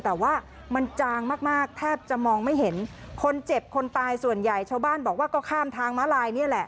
แต่ว่ามันจางมากมากแทบจะมองไม่เห็นคนเจ็บคนตายส่วนใหญ่ชาวบ้านบอกว่าก็ข้ามทางม้าลายนี่แหละ